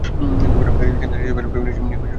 Cancer research ফেলে feminism নিয়ে পড়াশুনা করছি।